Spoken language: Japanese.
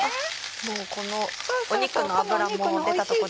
この肉の脂も出たとこで。